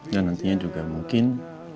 dan nantinya juga mungkin